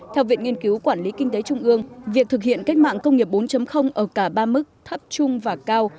theo viện nghiên cứu quản lý kinh tế trung ương việc thực hiện cách mạng công nghiệp bốn ở cả ba mức thấp trung và cao